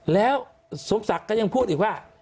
แล้วสมศักดิ์ก็ยังพูดอีกว่า